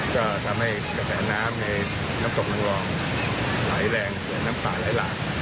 ก็ทำให้กระแสน้ำในน้ำตกนางรองไหลแรงส่วนน้ำป่าไหลหลาก